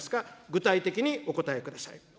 具体的にお答えください。